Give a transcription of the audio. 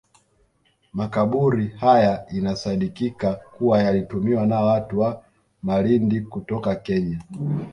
Makaburi haya inasadikika kuwa yalitumiwa na watu wa Malindi kutoka Kenya